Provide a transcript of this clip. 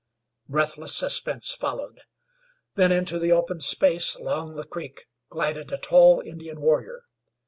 Breathless suspense followed. Then into the open space along the creek glided a tall Indian warrior.